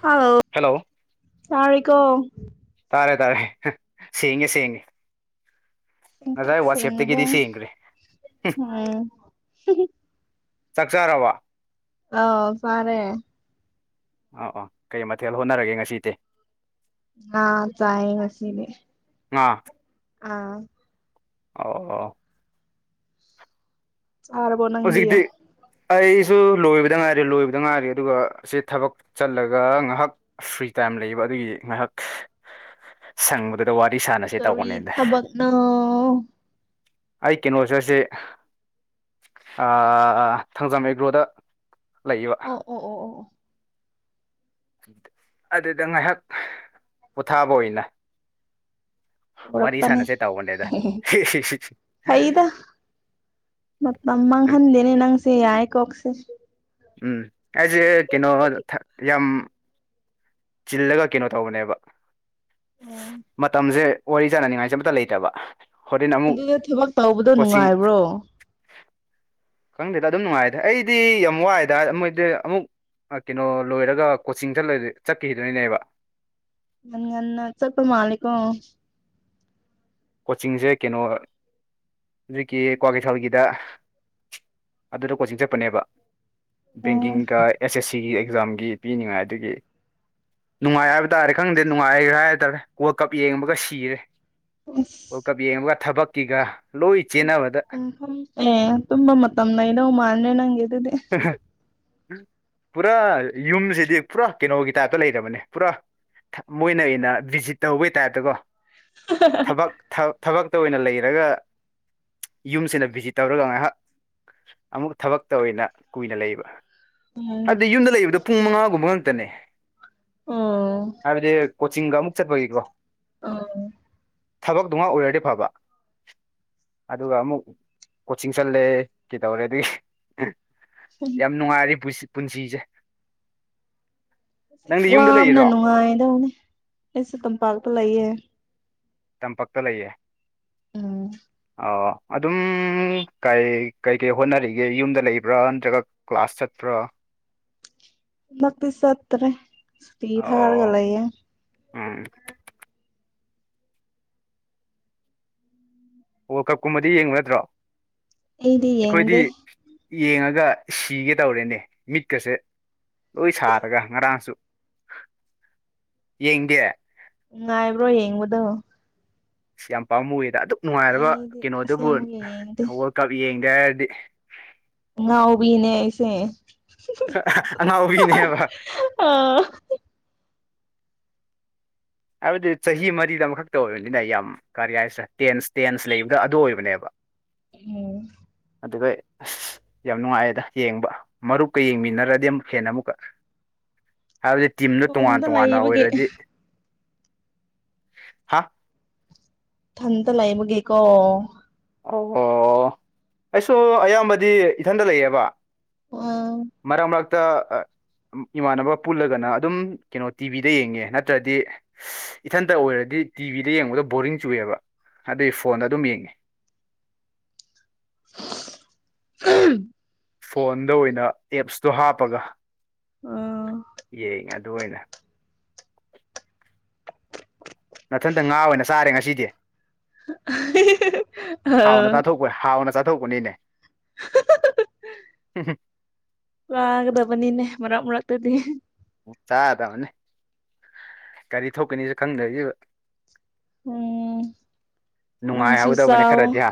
Hello ꯇꯥꯔꯦꯀꯣ ꯇꯥꯔꯦ ꯇꯥꯔꯦ ꯁꯦꯡꯉꯦ ꯁꯦꯡꯉꯦ ꯁꯦꯡꯇ꯭ꯔꯤꯛ ꯉꯁꯥꯏ ꯋꯥꯆꯦꯞꯇꯒꯤꯗꯤ ꯁꯦꯡꯂꯕꯣ ꯁꯦꯡꯒ꯭ꯔꯦ ꯎꯝ ꯆꯥꯛ ꯆꯥꯔꯕꯣ ꯑꯥꯎ ꯆꯥꯔꯦ ꯑꯥ ꯑꯥ ꯀꯩ ꯃꯊꯦꯜ ꯍꯣꯠꯅꯔꯒꯦ ꯉꯁꯤꯗꯤ ꯉꯥ ꯆꯥꯏ ꯉꯁꯤꯗꯤ ꯉꯥ ꯑꯥ ꯑꯣ ꯑꯣ ꯆꯥꯔꯕꯣ ꯅꯪꯗꯤ ꯍꯧꯖꯤꯛꯇꯤ ꯑꯩꯁꯨ ꯂꯣꯏꯕꯗ ꯉꯥꯏꯔꯤ ꯂꯣꯏꯕꯗ ꯉꯥꯏꯔꯤ ꯑꯗꯨꯒ ꯁꯤ ꯊꯕꯛ ꯆꯜꯂꯒ ꯉꯍꯥꯛ ꯐ꯭ꯔꯤ ꯇꯥꯏꯝ ꯂꯩꯕ ꯑꯗꯨꯒꯤ ꯉꯥꯏꯍꯥꯛ ꯁꯪꯕꯗ ꯗ ꯋꯥꯔꯤ ꯁꯥꯟꯅꯁꯦ ꯀꯔꯤ ꯇꯧꯕꯅꯤꯗ ꯊꯕꯛꯅꯣ ꯑꯩ ꯀꯩꯅꯣꯁꯨ ꯑꯁꯤ ꯑꯥ ꯊꯥꯡꯖꯥꯝ ꯑꯦꯒ꯭ꯔꯣꯗ ꯂꯩꯕ ꯑꯣ ꯑꯣ ꯑꯣ ꯑꯣ ꯑꯗꯨꯗ ꯉꯥꯏꯍꯥꯛ ꯄꯣꯊꯥꯕ ꯑꯣꯏꯅ ꯋꯥꯔꯤ ꯇꯧꯔꯛꯄꯅꯦ ꯁꯥꯟꯅꯁꯦ ꯇꯧꯕꯅꯦꯗ ꯃꯥꯇꯝ ꯃꯪꯍꯟꯗꯦꯅꯦ ꯅꯪꯁꯦ ꯌꯥꯥꯏꯌꯦꯀꯣ ꯎꯝ ꯑꯩꯁꯦ ꯀꯩꯅꯣ ꯌꯥꯝ ꯆꯤꯜꯂꯒ ꯀꯩꯅꯣ ꯇꯧꯕꯅꯦꯕ ꯑꯣ ꯃꯇꯝꯖꯦ ꯋꯥꯔꯤ ꯁꯥꯟꯅꯅꯤꯡꯉꯥꯏꯁꯦ ꯑꯃꯇ ꯂꯩꯇꯕ ꯍꯣꯔꯦꯟ ꯑꯃꯨꯛ ꯑꯗꯨꯗ ꯊꯕꯛ ꯇꯧꯕꯗꯣ ꯀꯣꯆꯤꯡ ꯅꯨꯡꯉꯥꯏꯕ꯭ꯔꯣ ꯈꯪꯗꯦꯗ ꯑꯗꯨꯝ ꯅꯨꯡꯉꯥꯏꯗꯦ ꯑꯩꯗꯤ ꯌꯥꯝ ꯋꯥꯏꯗ ꯃꯣꯏꯗꯤ ꯑꯃꯨꯛ ꯀꯩꯅꯣ ꯂꯣꯏꯔꯒ ꯀꯣꯆꯤꯡ ꯆꯠꯂꯣꯢꯗꯣꯢ ꯆꯠꯈꯤꯗꯣꯏꯅꯦꯕ ꯉꯟ ꯉꯟꯅ ꯆꯠꯄ ꯃꯥꯜꯂꯦꯀꯣ ꯀꯣꯆꯤꯡꯖꯦ ꯀꯩꯅꯣ ꯅꯣꯢꯒꯤ ꯀ꯭ꯋꯥꯀꯩꯊꯦꯜꯒꯤꯗ ꯑꯗꯨꯗ ꯀꯣꯆꯤꯡ ꯆꯠꯄꯅꯦꯕ ꯑꯣ ꯕꯦꯡꯀꯤꯡꯒ ꯑꯦꯁ ꯑꯦꯁ ꯁꯤꯒꯤ ꯑꯦꯛꯖꯥꯝꯒꯤ ꯄꯤꯅꯤꯉꯥꯏ ꯑꯗꯨꯒꯤ ꯅꯨꯡꯉꯥꯏ ꯍꯥꯏꯕ ꯇꯥꯥꯔꯦ ꯈꯪꯗꯦ ꯅꯨꯡꯉꯥꯏꯈ꯭ꯔꯦ ꯍꯥꯏꯇꯥꯔꯦ ꯋꯥꯔꯜ ꯀꯞ ꯌꯦꯡꯕꯒ ꯁꯤꯔꯦ ꯢꯁ ꯋꯥꯔꯜꯀꯞ ꯌꯦꯡꯕꯒ ꯊꯕꯛꯀꯤꯒ ꯂꯣꯏ ꯆꯦꯟꯅꯕꯗ ꯑꯦ ꯇꯨꯝꯕ ꯃꯇꯝ ꯂꯩꯗꯧ ꯃꯥꯥꯟꯗ꯭ꯔꯦ ꯅꯪꯒꯤꯗꯨꯗꯤ ꯄꯨꯔꯥ ꯌꯨꯝꯖꯤꯗꯤ ꯄꯨꯔꯥ ꯀꯩꯅꯣꯒꯤ ꯇꯥꯏꯞꯇ ꯂꯩꯔꯕꯅꯦ ꯄꯨꯔꯥ ꯃꯣꯏꯅ ꯑꯣꯏꯅ ꯚꯤꯖꯤꯠ ꯇꯧꯕꯩ ꯇꯥꯏꯞꯇꯀꯣ ꯊꯕꯛ ꯊ ꯊꯕꯛꯇ ꯑꯣꯏꯅ ꯂꯩꯔꯒ ꯌꯨꯝꯁꯤꯅ ꯚꯤꯖꯤꯠ ꯇꯧꯔꯒ ꯉꯥꯏꯍꯥꯛ ꯑꯃꯨꯛ ꯊꯕꯛꯇ ꯑꯣꯏꯅ ꯀꯨꯏꯅ ꯂꯩꯕ ꯎꯝ ꯍꯥꯏꯕꯗꯤ ꯌꯨꯝꯗ ꯂꯩꯕꯗꯣ ꯄꯨꯡ ꯃꯉꯥꯒꯨꯝꯕ ꯉꯥꯛꯇꯅꯦ ꯑꯣ ꯍꯥꯏꯕꯗꯤ ꯀꯣꯆꯤꯡꯒ ꯑꯃꯨꯛ ꯆꯠꯄꯒꯤꯀꯣ ꯑꯣ ꯊꯕꯛꯇꯨꯉꯥꯛ ꯑꯣꯏꯔꯗꯤ ꯐꯕ ꯑꯗꯨꯒ ꯑꯃꯨꯛ ꯀꯣꯆꯤꯡ ꯆꯠꯂꯦ ꯀꯩꯗꯧꯔꯦ ꯑꯗꯨꯒꯤ ꯌꯥꯝ ꯅꯨꯡꯉꯥꯏꯔꯤ ꯄꯨꯁꯤ ꯄꯨꯟꯁꯤꯁꯦ ꯅꯪꯗꯤ ꯌꯨꯝꯗ ꯋꯥꯕꯅ ꯂꯩꯔꯤꯔꯣ ꯅꯨꯡꯉꯥꯢꯗꯧꯅꯣ ꯑꯩꯁꯨ ꯇꯝꯄꯥꯛꯇ ꯂꯩꯌꯦ ꯇꯝꯄꯛꯇ ꯂꯩꯌꯦ ꯎꯝ ꯑꯣ ꯑꯗꯨꯝ ꯀ ꯀꯩꯀꯩ ꯍꯣꯠꯅꯔꯤꯒꯦ ꯌꯨꯝꯗ ꯂꯩꯕ꯭ꯔꯥ ꯅꯠꯇ꯭ꯔꯒ ꯀ꯭ꯂꯥꯁ ꯆꯄ꯭ꯔꯥ ꯍꯟꯗꯛꯇꯤ ꯆꯠꯇ꯭ꯔꯦ ꯁꯨꯇꯤ ꯊꯥꯔꯒ ꯑꯣ ꯂꯩꯌꯦ ꯎꯝ ꯋꯥꯔꯜꯀꯞ ꯀꯨꯝꯕꯗꯤ ꯌꯦꯡꯕ ꯅꯠꯇ꯭ꯔꯣ ꯑꯩꯗꯤ ꯑꯩꯈꯣꯏꯗꯤ ꯌꯦꯡꯗꯦ ꯌꯦꯡꯉꯒ ꯁꯤꯒꯦ ꯇꯧꯔꯦꯅꯦ ꯃꯤꯠꯀꯁꯦ ꯂꯣꯏ ꯁꯥꯔꯒ ꯉꯔꯥꯡꯁꯨ ꯌꯦꯡꯗꯦ ꯉꯥꯏꯕ꯭ꯔꯣ ꯌꯦꯡꯕꯗꯣ ꯢꯁ ꯌꯥꯝ ꯄꯥꯝꯃꯨꯌꯦꯗ ꯑꯗꯨꯛ ꯅꯨꯡꯉꯥꯏꯔꯕ ꯑꯩꯗꯤ ꯀꯩꯅꯣꯗꯨꯕꯨ ꯑꯁꯦꯡꯕꯒꯤ ꯌꯦꯡꯗꯦ ꯋꯥꯔꯜ ꯀꯞ ꯌꯦꯡꯗꯦ ꯍꯥꯏꯔꯗꯤ ꯉꯅꯥꯎꯕꯤꯅꯦ ꯑꯩꯁꯦ ꯑꯉꯥꯎꯕꯤꯅꯦꯕ ꯑꯥ ꯍꯥꯏꯕꯗꯤ ꯆꯍꯤ ꯃꯔꯤꯗ ꯑꯃꯈꯛꯇ ꯑꯣꯏꯕꯅꯤꯅ ꯌꯥꯝ ꯀꯥꯔꯤꯍꯥꯏꯁꯤꯔꯥ ꯇꯦꯟꯁ ꯇꯦꯟꯁ ꯂꯩꯕꯗ ꯑꯗꯨ ꯑꯣꯏꯕꯅꯦꯕ ꯎꯝ ꯑꯗꯨꯒꯩ ꯌꯥꯝ ꯅꯨꯡꯉꯥꯏꯌꯦꯗ ꯌꯦꯡꯕ ꯃꯔꯨꯞꯀ ꯌꯦꯡꯃꯤꯟꯅꯔꯗꯤ ꯑꯃꯨꯛ ꯍꯦꯟꯅ ꯑꯃꯨꯛꯀ ꯍꯥꯏꯕꯗꯤ ꯇꯤꯝꯗꯢ ꯇꯣꯉꯥꯟ ꯏꯇꯣꯝꯇ ꯇꯣꯉꯥꯟꯅ ꯂꯩꯕꯒꯤ ꯑꯣꯏꯔꯗꯤ ꯍꯥ ꯊꯟꯇ ꯂꯩꯕꯒꯤꯀꯣ ꯑꯣ ꯑꯩꯁꯨ ꯑꯌꯥꯝꯕꯗꯤ ꯏꯊꯟꯗ ꯂꯩꯌꯦꯕ ꯎꯝ ꯃꯔꯛ ꯃꯔꯛꯇ ꯏꯃꯥꯟꯅꯕ ꯄꯨꯜꯂꯒꯅ ꯑꯗꯨꯝ ꯀꯩꯅꯣ ꯇꯤꯚꯤꯗ ꯌꯦꯡꯉꯦ ꯅꯠꯇ꯭ꯔꯗꯤ꯫ ꯏꯊꯟꯇ ꯑꯣꯏꯔꯗꯤ ꯇꯤꯚꯤꯗ ꯌꯦꯡꯕꯗ ꯕꯣꯔꯤꯡ ꯆꯨꯑꯦꯕ ꯑꯗꯨꯢ ꯐꯣꯟꯗ ꯑꯗꯨꯝ ꯌꯦꯡꯉ‌ꯦ꯫ [unintelligible] ꯐꯣꯟꯗ ꯑꯣꯏꯅ ꯑꯦꯞꯁꯇꯣ ꯍꯥꯞꯄꯒ ꯑꯥ ꯌꯦꯡꯉꯦ ꯑꯗꯨ ꯑꯣꯏꯅ꯫ ꯅꯊꯟꯇ ꯉꯥ ꯑꯣꯏꯅ ꯆꯥꯔꯦ ꯉꯁꯤꯗꯤ꯫ ‌ [unintelligible] ꯍꯥꯎꯅ ꯆꯥꯊꯣꯛꯄ ꯍꯥꯎꯅ ꯆꯥꯊꯣꯛꯄꯅꯤꯅꯦ꯫ ꯆꯥꯒꯗꯕꯅꯤꯅꯦ ꯃꯔꯛ ꯃꯔꯛꯇꯗꯤ꯫ ꯆꯥꯒꯗꯝꯅꯤ꯫ ꯀꯔꯤ ꯊꯣꯛꯀꯅꯤꯁ ꯈꯪꯗꯕꯤ ꯎꯝ ꯅꯪꯁꯨ ꯅꯨꯡꯉꯥꯏꯍꯧꯗꯕꯅꯦ ꯆꯥꯎ ꯈꯔꯗꯤ ꯍꯥ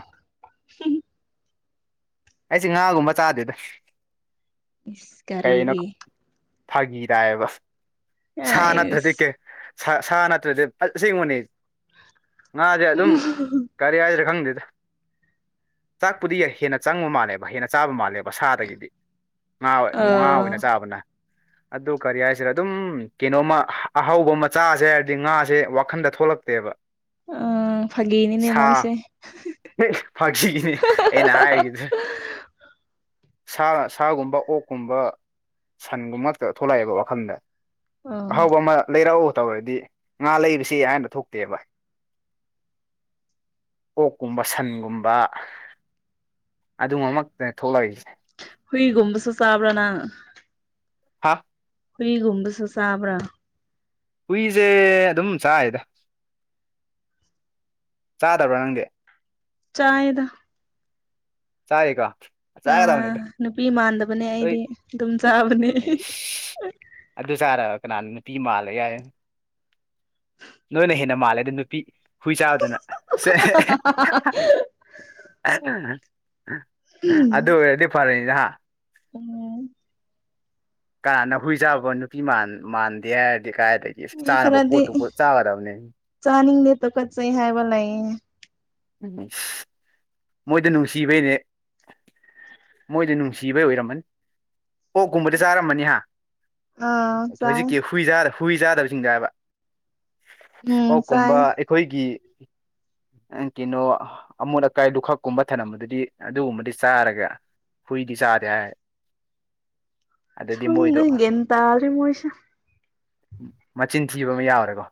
ꯑꯩꯁꯦ ꯉꯥꯒꯨꯝꯕ ꯆꯥꯗꯦꯗ ꯏꯁ ꯀꯩꯅꯣ ꯀꯔꯤꯒꯤ ꯐꯥꯒꯤ ꯇꯥꯢꯌꯦꯕ ꯁꯥ ꯅꯠꯇ꯭ꯔꯗꯤ ꯑꯥꯏꯁ ꯀꯦ ꯁꯥ ꯁꯥ ꯅꯠꯇ꯭ꯔꯗꯤ ꯑꯁꯦꯡꯕꯅꯤ ꯉꯥꯖꯦ ꯑꯗꯨꯝ ꯀꯔꯤ ꯍꯥꯢꯁꯤꯔꯥ ꯈꯪꯗꯦꯗ ꯆꯥꯛꯄꯨꯗꯤ ꯍꯦꯟꯅ ꯆꯪꯕ ꯃꯥꯜꯂꯦꯕ ꯍꯦꯟꯅ ꯆꯥꯕ ꯃꯥꯜꯂꯦꯕ ꯁꯥꯗꯒꯤꯗꯤ ꯉꯥ ꯉꯥ ꯑꯥ ꯑꯣꯏꯅ ꯆꯥꯕꯅ꯫ ꯑꯗꯨ ꯀꯔꯤ ꯍꯥꯏꯁꯤꯔ ꯑꯗꯨꯝ ꯀꯩꯅꯣꯃ ꯑꯍꯥꯎꯕ ꯃꯆꯥꯁꯦ ꯍꯥꯏꯔꯗꯤ ꯉꯥꯖꯦ ꯋꯥꯈꯟꯗ꯫ ꯊꯣꯛꯂꯛꯇꯦꯕ꯫ ꯎꯪ ꯁꯥ ꯐꯥꯈꯤꯒꯤꯅꯤ ꯑꯩꯅ ꯍꯥꯏꯒꯤꯗ꯭ꯔ‌ꯦ꯫ ꯁꯥ ꯁꯥꯒꯨꯝꯕ ꯑꯣꯛꯀꯨꯝꯕ꯫ ꯁꯟꯒꯨꯝꯕ ꯉꯥꯛꯇ ꯊꯣꯛꯂꯛꯑꯦꯕ ꯋꯥꯈꯟꯗ꯫ ꯑꯥ ꯑꯍꯥꯎꯕ ꯑꯃ ꯂꯩꯔꯛꯎ ꯇꯧꯔꯗꯤ ꯉꯥ ꯂꯩꯔꯨꯁꯤ ꯍꯥꯏꯅ ꯊꯣꯛꯇꯦꯕ꯫ ꯑꯣꯛꯀꯨꯝꯕ ꯁꯟꯒꯨꯝꯕ꯫ ꯑꯗꯨꯒꯨꯝꯃꯛꯇꯅꯦ ꯊꯣꯛꯂꯛꯏꯁꯦ꯫ ꯍꯨꯏꯒꯝꯕꯁꯨ ꯆꯕ꯭ꯔꯥ ꯅꯪ꯫ ꯍꯥꯥ꯫ ꯍꯨꯏꯒꯨꯝꯕꯁꯨ ꯆꯥꯕ꯭ꯔꯥ꯫ ꯍꯨꯏꯖꯦ ꯑꯗꯨꯝ ꯆꯥꯏꯗ ꯆꯥꯗꯕ꯭ꯔꯥ ꯅꯪꯗꯤ꯫ ꯆꯥꯏꯗ꯫ ꯥꯆꯥꯢꯌꯦ ꯀꫭ꯫ ꯑꯥ ꯅꯨꯄꯤ ꯃꯥꯟꯗꯕꯅꯦ ꯍꯣꯏ ꯑꯩꯗꯤ ꯑꯗꯨꯝ ꯆꯥꯕꯅꯦ꯫ ꯏꯁ ꯑꯗꯨ ꯆꯥꯔꯑ ꯀꯅꯥꯅ ꯅꯨꯄꯤ ꯃꯥꯜꯂꫭꯏ ꯍꯥꯏ [inaudible] ꯅꯣꯏꯅ ꯍꯦꯟꯅ ꯃꯥꯜꯂꯦꯗ ꯅꯨꯄꯤ ꯍꯨꯏ ꯆꯥꯕꯗꯨꯅ ꯁꯦ꯫ ꯑꯗꯨ ꯑꯣꯏꯔꯗꯤ ꯐꯔ‌ꯦꯅ‌ꯦ ꯍꯥ‌꯫ [unintelligible] ꯀꯥꯅ ꯍꯨꯏ ꯆꯥꯕ ꯅꯨꯄꯤ ꯃꯥꯟ ꯃꯥꯟꯗꯦ ꯍꯥꯏꯔꯗꯤ ꯀꯥꯏꯗꯒꯤ꯫ ꯆꯥꯅꯕ ꯄꯣꯠꯇꯨꯕꯨ ꯆꯥꯒꯗꯕꯅꯦ꯫ ꯆꯥꯅꯤꯡꯗ‌ꯦ ꯇꯨꯀꯠꯆꯩ ꯍꯥꯏꯕ ꯂꯩꯌ‌ꯦ꯫ ꯢꯁ ꯃꯣꯏꯗꯤ ꯅꯨꯡꯁꯤꯕꯩꯅꯦ꯫ ꯃꯣꯏꯗꯤ ꯅꯨꯡꯁꯤꯕꯩ ꯑꯣꯢꯔꯝꯃꯅꯤ ꯑꯣꯛꯀꯨꯝꯕꯗꯤ ꯆꯥꯔꯝꯃꯅꯤ ꯍꯥ꯫ ꯑꯥ ꯆꯥꯏ ꯍꯧꯖꯤꯛꯀꯤ ꯍꯨꯏ ꯍꯨꯏ ꯆꯥꯗꯕ ꯍꯨꯢ ꯆꯥꯗꯕꯁꯤꯡꯗ ꯍꯥꯏꯕ꯫ ꯎꯝ ꯑꯣꯛ ꯆꯥꯏ ꯀꯨꯝꯕ ꯑꯈꯣꯏꯒꯤ꯫ ꯀꯩꯅꯣ ꯑꯃꯣꯠ ꯑꯀꯥꯏꯗꯨꯈꯛꯀꯨꯝꯕ ꯊꯝꯝꯕꯗꯨꯗꯤ ꯑꯗꯨꯒꯨꯝꯕꯗꯤ ꯆꯥꯔꯒ꯫ ꯍꯨꯏꯗꯤ ꯆꯥꯗꯦ ꯍꯥꯏ ꯑꯗꯨꯗꯤ ꯃꯣꯏꯗꯣ꯫ ꯈꯪꯗꯦ ꯒ꯭ꯌꯥꯟ ꯇꯥꯗ꯭ꯔꯦ ꯃꯣꯏꯁꯦ ꯃꯆꯤꯟ ꯊꯤꯕ ꯑꯃ ꯌꯥꯎꯔꯦꯀꯣ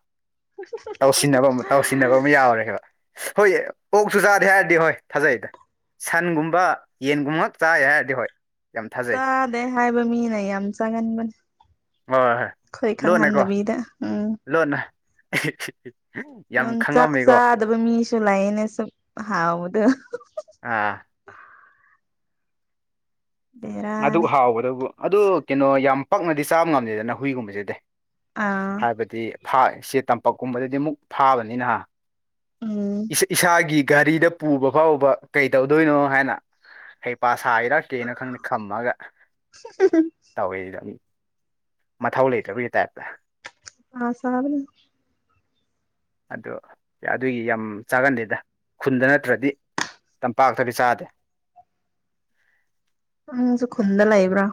ꯇꯧꯁꯤꯟꯅꯕ ꯑꯃ ꯇꯧꯁꯤꯟꯅꯕ ꯑꯃ ꯌꯥꯎꯔꯦ ꯍꯥꯏꯕ꯫ ꯍꯣꯏꯌꯦ ꯑꯣꯛꯁꯨ ꯆꯥꯗꯦ ꯍꯥꯏꯔꯗꯤ ꯍꯣꯏ ꯊꯥꯖꯩꯗ꯫ ꯁꯟꯒꯨꯝꯕ ꯌꯦꯟꯒꯨꯝ ꯉꯥꯛ ꯆꯥꯢ ꯍꯥꯏꯔꯗꯤ ꯍꯣꯏ꯫ ꯌꯥꯝ ꯊꯥꯖꯩ ꯆꯥꯗꯦ ꯍꯥꯏꯕ ꯃꯤꯅ ꯌꯥꯝ ꯆꯥꯒꯟꯕꯅꯦ ꯍꯣꯏ ꯍꯣꯏ ꯑꯩꯈꯣꯏ ꯂꯣꯟꯅꯀꯣ ꯈꯪꯍꯟꯗꯕꯤꯗ ꯎꯝ ꯂꯣꯟꯅ ꯌꯥꯝ ꯈꯪꯉꯝꯃꯦꯀꯣ ꯗꯕ ꯃꯤꯁꯨ ꯂꯩꯥꯌꯦꯅꯦ ꯁꯨꯛ ꯍꯥꯎꯕꯗꯨ ꯑꯥ ꯑꯗꯨꯛ ꯕꯦꯔꯥꯅꯤ ꯍꯥꯎꯕꯗꯕꯨ ꯑꯗꯨ ꯀꯩꯅꯣ ꯌꯥꯝ ꯄꯛꯅꯗꯤ ꯆꯥꯕ ꯉꯝꯗꯦꯗꯅ ꯍꯨꯏꯒꯨꯝꯕꯁꯤꯗꯤ ꯑꯥ ꯍꯥꯏꯕꯗꯤ ꯐꯥ ꯁꯦ ꯇꯝꯄꯥꯛꯀꯨꯝꯕꯗꯗꯤ ꯑꯃꯨꯛ ꯐꯥꯕꯅꯤꯅ ꯍꯥ ꯎꯝ ꯏꯁꯥ ꯢꯁꯥꯒꯤ ꯒꯥꯔꯤꯗ꯫ ꯄꯨꯕ ꯐꯥꯎꯕ ꯀꯩ ꯇꯧꯗꯣꯏꯅꯣ ꯍꯥꯏꯅ ꯍꯩꯄ ꯁꯥꯔꯤꯔ ꯈꯝꯃꯒ ꯇꯧꯋꯦꯁꯤꯗ ꯃꯊꯧ ꯂꯩꯇꯕꯒꯤ ꯇꯥꯏꯞꯇ꯫ ꯑꯥ ꯁꯥꯕꯅ‌ꯦ꯫ ꯑꯗꯨ ꯑꯗꯨꯒꯤ ꯌꯥꯝ ꯆꯥꯒꯟꯗꯦꯗ ꯈꯨꯟꯗ ꯅꯠꯇ꯭ꯔꯗꯤ ꯇꯝꯄꯥꯛꯇꯗꯤ ꯆꯥꯗꯦ꯫ ꯏꯪꯁꯨ ꯈꯨꯟꯗ ꯂꯩꯕ꯭ꯔꫭ꯫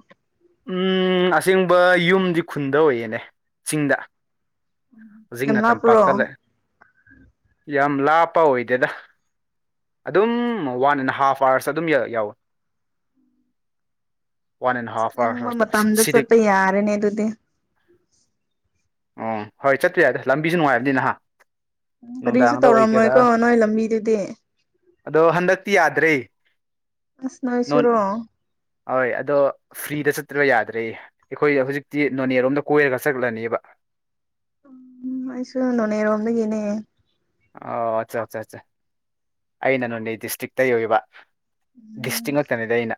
ꯎꯝ ꯑꯁꯦꯡꯕ ꯌꯨꯝꯗꯤ ꯈꯨꯟꯗ ꯑꯣꯏꯌꯦꯅꯦ ꯆꯤꯡꯗ꯫ ꯌꯥꯝ ꯍꯧꯖꯤꯛꯅ ꯂꯥꯞꯄ꯭ꯔꯣ ꯇꯝꯄꯥꯛꯇ ꯂꯩ ꯌꯥꯝ ꯂꯥꯞꯄ ꯑꯣꯏꯗꯦꯗ ꯑꯗꯨꯝ ꯋꯥꯟ ꯑꯦꯟ ꯍꯥꯐ ꯑꯥꯋꯔꯁ ꯑꯗꯨꯝ ꯌꯥꯎꯋꯦ ꯋꯥꯟ ꯑꯦꯟ ꯍꯥꯐ ꯑꯥꯋꯥꯔ ꯁꯤꯗꯒꯤ ꯌꯥꯔꯅꯦ ꯑꯗꯨꯗꯤ ꯑꯣ ꯍꯣꯏ ꯆꯠ ꯌꯥꯏꯗ ꯂꯝꯕꯤꯁꯨ ꯅꯨꯡꯉꯥꯏꯕꯅꯤꯅ ꯍꯥ ꯀꯔꯤꯁꯨ ꯅꯨꯡꯗꯥꯡꯗ ꯑꯣꯏꯒꯦꯔꯥ ꯇꯧꯔꯝꯃꯣꯏꯀꯣ ꯅꯣꯏ ꯂꯝꯕꯤꯗꯨꯗꯤ ꯑꯗꯣ ꯍꯟꯗꯛꯇꯤ ꯌꯥꯗ꯭ꯔꯦ ꯑꯁ ꯅꯣꯟ ꯅꯣꯏꯁꯨꯔꯣ ꯍꯣꯏ ꯑꯗꯣ ꯐ꯭ꯔꯤꯗ ꯆꯠꯇ꯭ꯔꯕ ꯌꯥꯗ꯭ꯔꯦ ꯑꯩꯈꯣꯏꯗ ꯍꯧꯖꯤꯛꯇꯤ ꯅꯣꯅꯦꯔꯣꯝꯗ ꯀꯣꯏꯔꯒ ꯆꯠꯂꯅꯤꯕ ꯎꯝ ꯑꯩꯁꯨ ꯅꯣꯅꯦꯔꯣꯝꯗꯒꯤꯅꯦ ꯑꯣ ꯑꯠꯆꯥ ꯑꯆꯥ ꯑꯠꯆꯥ ꯑꯩꯅ ꯅꯣꯅꯦ ꯗꯤꯁꯇ꯭ꯔꯤꯛꯇꯩ ꯑꯣꯢꯕ ꯎꯝ ꯗꯤꯁꯇ꯭ꯔꯤꯛ ꯅꯛꯇꯅꯤꯗ ꯑꯩꯅ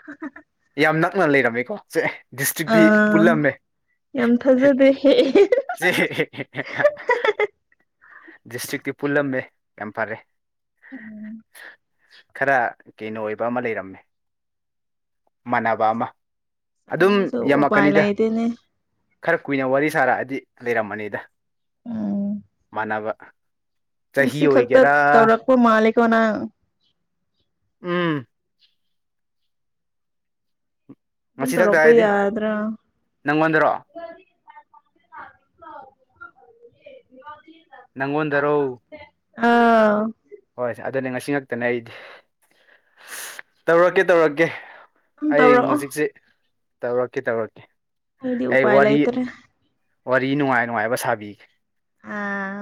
[unintelligible] ꯌꯥꯝ ꯅꯛꯅ ꯂꯩꯔꯝꯃꯦꯀꯣ ꯁꯦ ꯗꯤꯁꯇ꯭ꯔꯤꯛꯇꯤ ꯑꯥ ꯄꯨꯜꯂꯝꯃꯦ ꯌꯥꯝ ꯊꯥꯖꯗꯦ [unintelligible] ꯗꯤꯁꯇ꯭ꯔꯤꯛꯇꯤ ꯄꯨꯜꯂꯝꯃꯦ ꯌꯥꯝ ꯐꯔꯦ ꯎꯝ ꯈꯔ ꯀꯩꯅꯣ ꯑꯣꯏꯕ ꯑꯃ ꯂꯩꯔꯝꯃꯦ ꯃꯥꯟꯅꯕ ꯑꯃ ꯑꯗꯨꯝ ꯆꯠꯅꯤꯡꯉꯁꯨ ꯎꯄꯥꯏ ꯌꯥꯝꯃꯛꯀꯅꯤꯗ ꯂꯩꯇꯦꯅꯦ ꯈꯔ ꯀꯨꯏꯅ ꯋꯥꯔꯤ ꯁꯥꯔꯛꯑꯗꯤ ꯂꯩꯔꯝꯃꯅꯤꯗ ꯎꯝ ꯃꯅꯕ ꯉꯁꯤ ꯈꯛꯇ ꯇꯧꯔꯛꯄ ꯃꯥꯂꯤꯛꯣ ꯅꯪ ꯎꯝ ꯑꯗꯨꯝ ꯃꯁꯤꯊꯛꯇ ꯇꯧꯔꯛꯄ ꯍꯥꯏꯗꯤ ꯌꯥꯗ꯭ꯔꯥ ꯅꯪꯉꯣꯟꯗꯔꯣ ꯅꯉꯣꯟꯗꯔꯣ ꯑꯥ ꯍꯣꯏꯦ ꯑꯗꯨꯅꯦ ꯉꯁꯤ ꯉꯛꯇꯅꯦ ꯑꯩꯗꯤ ꯇꯧꯔꯛꯀꯦ ꯇꯧꯔꯛꯀꯦ ꯑꯗꯨꯝ ꯑꯩ ꯇꯧꯔꯛꯑꯣ ꯍꯧꯖꯤꯛꯖꯦ ꯇꯧꯔꯛꯀꯦ ꯇꯧꯔꯛꯀꯦ ꯑꯩꯗꯤ ꯑꯩ ꯎꯄꯥꯏ ꯋꯥꯔꯤ ꯂꯩꯇ꯭ꯔꯦ ꯋꯥꯔꯤ ꯅꯨꯡꯉꯥꯏ ꯅꯨꯡꯉꯥꯏꯕ ꯁꯥꯕꯤꯒꯦ ꯑꯥ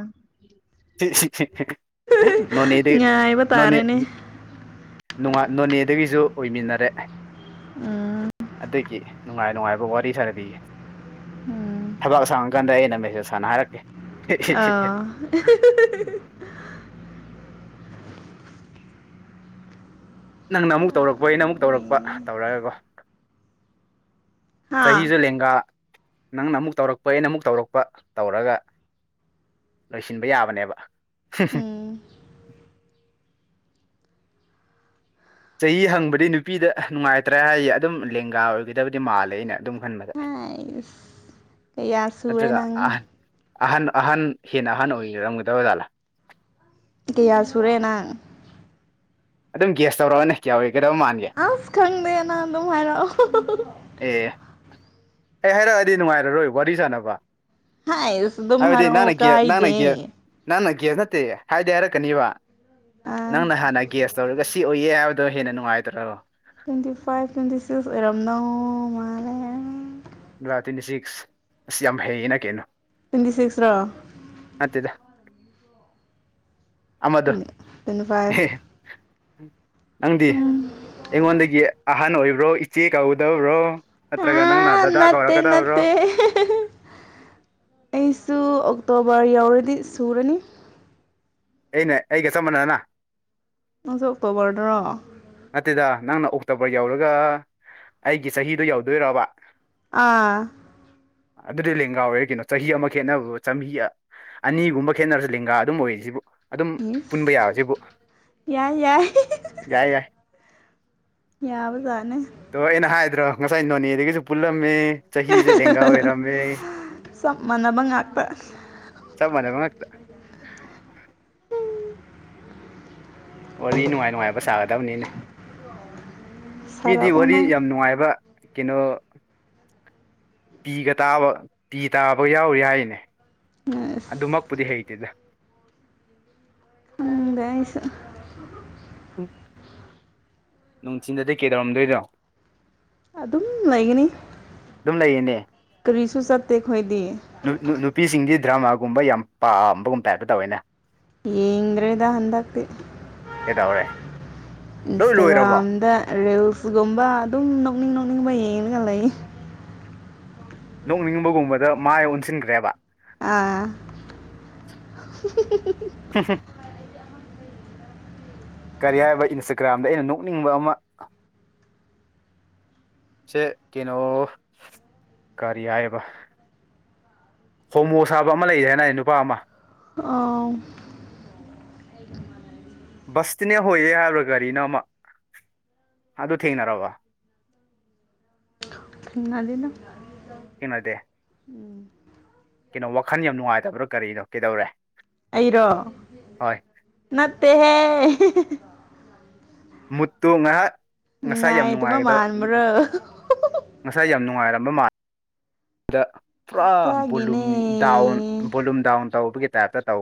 ꯅꯣꯅꯦꯗꯩ ꯉꯥꯏꯕ ꯅꯣꯅꯦ ꯇꯥꯔꯦꯅꯦ ꯅꯣꯅꯦꯗꯒꯤꯁꯨ ꯑꯣꯏꯃꯤꯟꯅꯔꯦ ꯎꯝ ꯑꯗꯒꯤ ꯅꯨꯡꯉꯥꯏ ꯅꯨꯡꯉꯥꯏꯕ ꯋꯥꯔꯤ ꯁꯥꯟꯅꯕꯤꯒꯦ ꯎꯝ ꯊꯕꯛ ꯁꯥꯡꯉꯀꯥꯟꯗ ꯑꯩꯅ ꯃꯦꯁꯦꯖ ꯁꯥꯟꯅ ꯍꯥꯏꯔꯛꯀꯦ [inaudible] [inaudible] ꯅꯪꯅ ꯑꯃꯨꯛ ꯇꯧꯔꯛꯄ ꯑꯩꯅ ꯑꯃꯨꯛ ꯇꯧꯔꯛꯄ ꯀꯅꯥꯅꯣꯅꯦ ꯇꯧꯔꯒꯀꯣ ꯍꯥꯥ ꯆꯍꯤꯖꯦ ꯂꯦꯡꯒꯥ ꯅꯪꯅ ꯑꯃꯨꯛ ꯇꯧꯔꯛꯄ ꯑꯩꯅ ꯑꯃꯨꯛ ꯇꯧꯔꯛꯄ ꯇꯧꯔꯒ ꯂꯣꯏꯁꯤꯟꯕ ꯌꯥꯕꯅꯦꯕ ꯍꯝ-ꯍꯝ ꯎꯝ ꯆꯍꯤ ꯍꯪꯕꯗꯤ ꯅꯨꯄꯤꯗ ꯅꯨꯡꯉꯥꯏꯇ꯭ꯔꯦ ꯍꯥꯏꯌꯦ ꯑꯗꯨꯝ ꯂꯦꯡꯒꯥ ꯑꯣꯏꯒꯗꯕꯗꯤ ꯃꯥꯜꯂꯦ ꯑꯩꯅ ꯑꯗꯨꯝ ꯈꯟꯕꯅꯦ ꯍꯥꯏ ꯀꯌꯥ ꯁꯨꯔꯦ ꯅꯪ ꯑꯍꯟ-ꯑꯍꯟ ꯍꯦꯟꯅ ꯑꯍꯟ ꯑꯣꯏꯔꯝꯒꯗꯕ ꯖꯥꯠꯂ ꯀꯌꯥ ꯁꯨꯔꯦ ꯅꯪ ꯑꯗꯨꯝ ꯒꯌꯥꯁ ꯇꯧꯔꯑꯅꯦ ꯑꯣꯏꯔꯀꯗꯧ ꯃꯥꯟꯒꯦ ꯑꯁ ꯈꯪꯗꯦ ꯅꯪ ꯑꯗꯨꯝ ꯍꯥꯏꯔꯛ ꯑꯣ ꯑꯦ ꯑꯩ ꯍꯥꯏꯔꯛꯑꯗꯤ ꯅꯨꯡꯉꯥꯏꯔꯔꯣꯏ ꯋꯥꯔꯤ ꯁꯥꯥꯟꯅꯕ ꯍꯁꯨ ꯑꯗꯨꯝ ꯃꯔꯛ ꯑꯣ ꯅꯪꯅ ꯀꯥꯏꯗꯦ ꯒꯦ ꯅꯪꯅ ꯒꯦꯞ ꯅꯠꯇꯦ ꯍꯥꯏꯗꯤ ꯍꯥꯏꯔꯛꯀꯅꯤꯕ ꯑꯥ ꯅꯪꯅ ꯍꯥꯟꯅ ꯒ꯭ꯌꯥꯁ ꯇꯧꯔꯒ ꯁꯤ ꯑꯣꯏꯌꯦ ꯍꯥꯏꯕꯗꯣ ꯍꯦꯟꯅ ꯅꯨꯡꯉꯥꯏꯇꯔꯣ ꯇ꯭ꯋꯦꯟꯇꯤ ꯐꯥꯏꯚ ꯇ꯭ꯋꯦꯟꯇꯤ ꯁꯤꯛꯁ ꯑꯣꯏꯔꯝꯗꯧ ꯃꯥꯜꯂꯦ [unintelligible] ꯇ꯭ꯋꯦꯟꯇꯤ ꯁꯤꯛꯁ ꯑꯁ ꯌꯥꯝ ꯍꯩꯌꯦꯅ ꯀꯩꯅꯣ ꯇ꯭ꯋꯦꯟꯇꯤ ꯁꯤꯛꯁ ꯔꯣ ꯅꯠꯇꯦꯗ ꯑꯃꯗꯣ ꯇ꯭ꯋꯦꯟꯇꯤ ꯍꯦ ꯐꯥꯏꯚ ꯅꯪꯗꯤ ꯑꯩꯉꯣꯟꯗꯒꯤ ꯑꯍꯟ ꯑꯣꯏꯕ꯭ꯔꯣ ꯏꯆꯦ ꯀꯧꯒꯗꯧꯔꯣ ꯑꯥ ꯅꯠꯇꯦ-ꯅꯠꯇꯦ ꯑꯩꯁꯨ ꯑꯣꯛꯇꯣꯕꯔ ꯌꯧꯔꯗꯤ ꯁꯨꯔꯅꯤ ꯑꯩꯅ ꯑꯩꯒ ꯆꯞꯃꯥꯟꯅꯅꯥ ꯅꯪꯁꯨ ꯑꯣꯛꯇꯣꯕꯔꯗꯔꯣ ꯅꯠꯇꯦꯗ ꯅꯪꯅ ꯑꯣꯛꯇꯣꯕꯔ ꯌꯧꯔꯒ ꯑꯩꯒꯤ ꯆꯍꯤꯗꯣ ꯌꯧꯗꯣꯏꯔꯕ ꯑꯥ ꯑꯗꯨꯗꯤ ꯂꯦꯡꯒꯥꯑꯣꯏꯔꯦ ꯀꯩꯅꯣ ꯆꯍꯤ ꯑꯃ ꯈꯦꯠꯅꯕꯕꯨ ꯆ ꯑꯅꯤꯒꯨꯝꯕ ꯈꯦꯠꯅꯔꯁꯨ ꯂꯦꯡꯒꯥ ꯑꯗꯨꯝ ꯑꯣꯏꯔꯤꯁꯤꯕꯨ ꯑꯗꯨꯝ ꯏꯁ ꯄꯨꯟꯕ ꯌꯥꯔꯁꯤꯕꯨ ꯌꯥꯏ ꯌꯥꯏ ꯌꯥꯏ ꯌꯥꯏ ꯌꯥꯕ ꯖꯥꯠꯅꯤ ꯇꯣꯔꯦ ꯅꯍꯥꯏꯗ꯭ꯔꯣ ꯉꯁꯥꯏ ꯅꯣꯅꯦꯗꯒꯤꯁꯨ ꯄꯨꯜꯂꯝꯃꯤ ꯆꯍꯤꯁꯦ ꯂꯦꯡꯒꯥ ꯑꯣꯏꯔꯝꯃꯦ ꯆꯞ ꯃꯥꯟꯅꯕ ꯉꯥꯛꯇ ꯆꯞ ꯃꯥꯟꯕ ꯉꯥꯛꯇ ꯎꯝ ꯋꯥꯔꯤ ꯅꯨꯡꯉꯥꯏ-ꯅꯨꯡꯉꯥꯏꯕ ꯁꯥꯒꯗꯕꯅꯤꯅꯦ ꯃꯤꯗꯤ ꯁꯥꯔꯛꯑꯣ ꯋꯥꯔꯤ ꯅꯪ ꯌꯥꯝ ꯅꯨꯡꯉꯥꯏꯕ ꯀꯩꯅꯣ ꯄꯤꯒ ꯇꯥꯕ ꯄꯤ ꯇꯥꯕ ꯌꯥꯎꯔꯤ ꯍꯥꯏꯅꯦ ꯑꯁ ꯑꯗꯨꯃꯛꯄꯨꯗꯤ ꯍꯩꯇꯦꯗ ꯎꯝꯗꯄꯩꯏꯁꯨ [unintelligible] ꯎ ꯅꯨꯡꯊꯤꯟꯗꯗꯤ ꯀꯩꯗꯧꯔꯝꯗꯣꯏꯅꯣ ꯑꯗꯨꯝ ꯂꯩꯒꯅꯤ ꯑꯗꯨꯝ ꯂꯩꯌꯦꯅꯦ ꯀꯔꯤꯁꯨ ꯆꯠꯇꯦ ꯑꯩꯈꯣꯏꯗꯤ ꯅꯨꯄꯤꯁꯤꯡꯗꯤ ꯗ꯭ꯔꯃꯥꯒꯨꯝꯕ ꯌꯥꯝ ꯄꯥꯝꯕꯒꯨꯝꯕ ꯇꯥꯏꯞꯇ ꯇꯧꯋꯦꯅꯦ ꯌꯦꯡꯗꯔꯦꯗ ꯍꯟꯗꯛꯇꯤ ꯀꯩꯗꯧꯔꯦ ꯂꯣꯏ ꯂꯣꯏꯔꯕꯣ ꯏꯟꯁꯇꯥꯒ꯭ꯔꯥꯝꯗ ꯔꯤꯜꯁꯒꯨꯝꯕ ꯑꯗꯨꯝ ꯅꯣꯛꯅꯤꯡ-ꯅꯣꯛꯅꯤꯡꯕ ꯌꯦꯡꯉꯒ ꯂꯩ ꯅꯣꯛꯅꯤꯡꯕꯒꯨꯝꯕꯗ ꯃꯥꯏ ꯑꯣꯟꯁꯤꯟꯈ꯭ꯔꯦꯕ ꯑꯥ ꯍ-ꯍ ꯀꯔꯤ ꯍꯥꯏꯕ ꯏꯟꯁꯇꯒ꯭ꯔꯥꯝꯗ ꯑꯩꯅ ꯅꯣꯛꯅꯤꯡꯕ ꯑꯃ ꯁꯦ ꯀꯩꯅꯣ ꯀꯔꯤ ꯍꯥꯏꯌꯦꯕ ꯍꯣꯃꯣ ꯁꯥꯕ ꯑꯃ ꯂꯩꯔꯤ ꯍꯥꯏꯅꯦ ꯅꯨꯄꯥ ꯑꯃ ꯑꯥꯎ ꯕꯁꯇꯤꯅꯦ ꯍꯣꯏꯌꯦ ꯍꯥꯏꯕ꯭ꯔꯥ ꯒꯥꯔꯤꯅ ꯑꯃ ꯑꯗꯨ ꯊꯦꯡꯅꯔꯕ [unintelligible] ꯀꯩꯅꯣꯗꯦ ꯎꯝ ꯀꯩꯅꯣ ꯋꯥꯈꯜ ꯌꯥꯝ ꯅꯨꯡꯉꯥꯏꯇꯕ꯭ꯔꯥ ꯀꯔꯤꯅꯣ ꯀꯩꯗꯧꯔꯦ ꯑꯩꯔꯣ ꯍꯣꯏ ꯅꯠꯇꯦ ꯍꯦ ꯃꯨꯠꯇꯨ ꯉꯥꯏꯍꯥꯛ ꯉꯁꯥꯏ ꯌꯥꯝ ꯅꯨꯡꯉꯥꯏꯇꯕ ꯅꯨꯡꯉꯥꯏꯒꯗꯕ ꯃꯥꯟꯕ꯭ꯔꯣ ꯉꯁꯥꯏ ꯌꯥꯝ ꯅꯨꯡꯉꯥꯏꯔꯝꯕ ꯃꯥꯜꯂꯤ ꯗ ꯄꯨꯔꯥ ꯕꯣꯂꯨꯝ ꯃꯁꯥꯒꯤꯅꯦ ꯗꯥꯎꯟ ꯕꯣꯂꯨꯝ ꯗꯥꯎꯟ ꯇꯧꯕꯒꯤ ꯇꯥꯏꯞꯇ ꯇꯧ